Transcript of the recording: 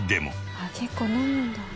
「あっ結構飲むんだ」